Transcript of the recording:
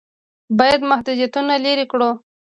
باید محدودیتونه لرې کړو.